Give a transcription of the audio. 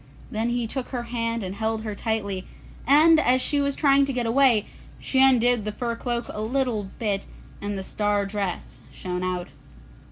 Then he took her hand and held her tightly, and as she was trying to get away, she undid the fur cloak a little bit and the star dress shone out.